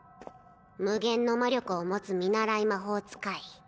無限の魔力を持つ見習い魔法使い